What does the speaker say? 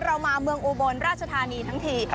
เรามาเมืองอุบลราชธานีทั้งที